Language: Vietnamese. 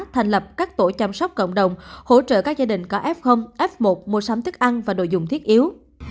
thành lập các tổ chăm sóc cộng đồng hỗ trợ các gia đình có f f một mua sắm thức ăn và đồ dùng thiết yếu